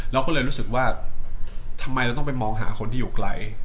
เราก็เลยรู้สึกว่าทำไมเราต้องไปมองหาคนที่อยู่ไกล